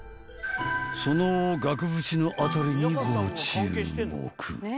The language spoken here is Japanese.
［その額縁の辺りにご注目］